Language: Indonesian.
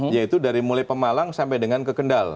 yaitu dari mulai pemalang sampai dengan kekendal